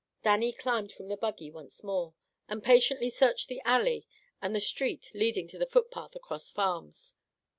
Dannie climbed from the buggy once more, and patiently searched the alley and the street leading to the footpath across farms.